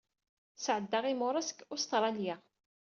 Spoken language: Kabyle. Sɛeddaɣ imuras deg Ustṛalya.